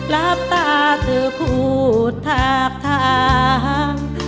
รับตาจะพูดทาง